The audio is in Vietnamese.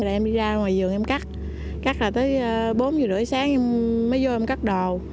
rồi em đi ra ngoài giường em cắt cắt là tới bốn h ba mươi sáng em mới vô em cắt đồ